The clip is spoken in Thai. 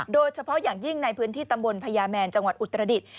โดยเฉพาะอย่างยิ่งในพื้นที่ตำบลพญาแมนจังหวัดอุตรดิษฐ์